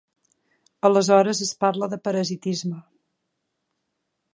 Aleshores es parla de parasitisme.